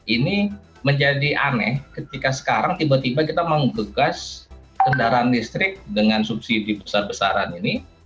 ini menjadi aneh ketika sekarang tiba tiba kita menggegas kendaraan listrik dengan subsidi besar besaran ini